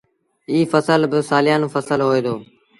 ايٚ ڦسل با سآليآݩون ڦسل هوئي دو۔